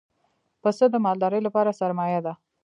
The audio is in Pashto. پسه د مالدار لپاره سرمایه ده.